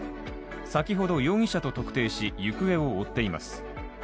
先ほど容疑者と特定し、行方を追っています。